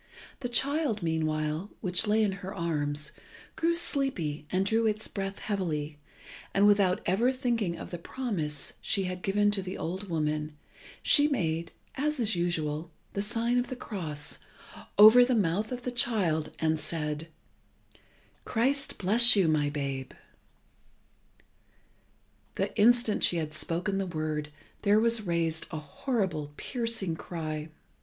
The child, meanwhile, which lay in her arms, grew sleepy and drew its breath heavily, and without ever thinking of the promise she had given to the old woman, she made, as is usual, the sign of the cross over the mouth of the child, and said "Christ bless you, my babe!" The instant she had spoken the word there was raised a horrible, piercing cry.